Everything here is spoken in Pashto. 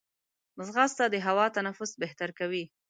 ځغاسته د هوا تنفس بهتر کوي